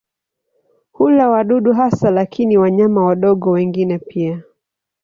Hula wadudu hasa lakini wanyama wadogo wengine pia.